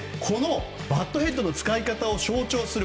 バットヘッドの使い方を象徴する